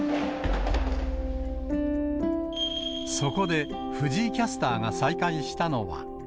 そこで藤井キャスターが再会したのは。